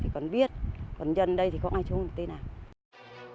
còn viết còn dân đây thì có ai xuống thì tên nào